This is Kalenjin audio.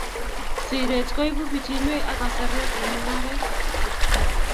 Siret koibu bichiinwek ak kasarwek eng mung'aret